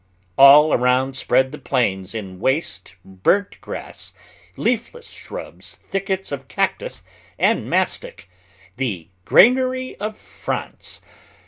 All around spread the plains in waste, burnt grass, leafless shrubs, thickets of cactus and mastic "the Granary of France!"